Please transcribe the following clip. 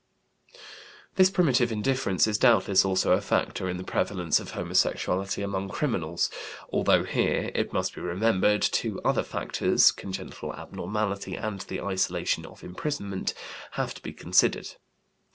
This primitive indifference is doubtless also a factor in the prevalence of homosexuality among criminals, although, here, it must be remembered, two other factors (congenital abnormality and the isolation of imprisonment) have to be considered.